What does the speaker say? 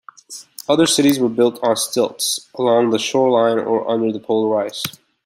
Other cities were built on stilts along the shoreline or under the polar ice.